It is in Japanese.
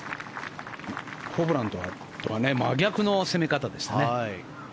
ホブランとは真逆の攻め方でしたね。